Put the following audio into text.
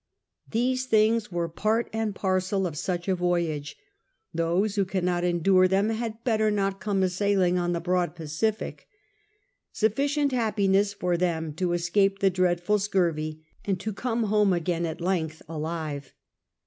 These things were part and parcel of such a voyage ; those who cannot endure them had better not come a sailing on the broad Pacific ; sufficient happiness for them to escape the dreadful scurvy and to come home again, at length, alive.